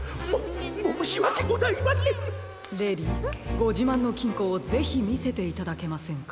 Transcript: ごじまんのきんこをぜひみせていただけませんか？